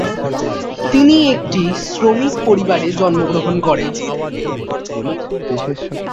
তিনি একটি শ্রমিক পরিবারে জন্ম গ্রহণ করেন।